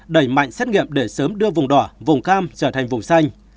đẩy mạnh xét nghiệm để sớm đưa vùng đỏ vùng cam trở thành vùng xanh